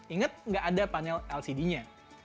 ingat nggak ada panel lcd nya